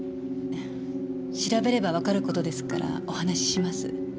調べればわかる事ですからお話しします。